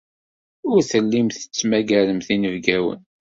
Ur tellimt tettmagaremt inebgawen.